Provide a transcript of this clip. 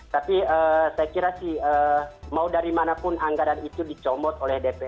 tapi saya kira sih mau dari mana pun anggaran itu dicomot oleh dpr untuk mengembangkan